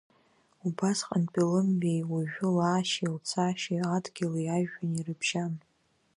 Убасҟантәи лымҩеи уажәы лаашьеи лцашьеи Адгьыли Ажәҩани рыбжьан.